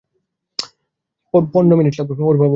ওর বাবা ধনী হয়েছে ধনী লোকেদের নিঃস্ব করে।